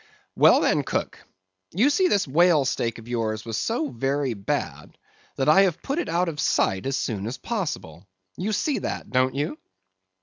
"Well then, cook, you see this whale steak of yours was so very bad, that I have put it out of sight as soon as possible; you see that, don't you?